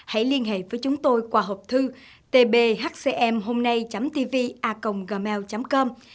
hãy liên hệ với chúng tôi qua hộp thư tbhcmhômnay tvacomgmail com